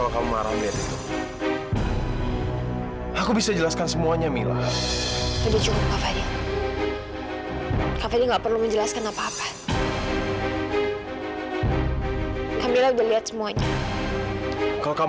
kak fadil sudah cukup kan